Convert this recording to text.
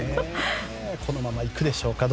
このままいくでしょうか。